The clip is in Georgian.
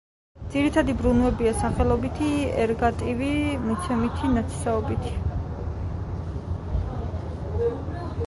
ძირითადი ბრუნვებია სახელობითი, ერგატივი, მიცემითი, ნათესაობითი.